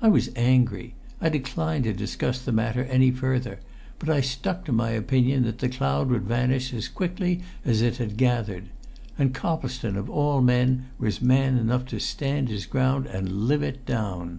I was angry. I declined to discuss the matter any further; but I stuck to my opinion that the cloud would vanish as quickly as it had gathered. And Coplestone of all men was man enough to stand his ground and live it down.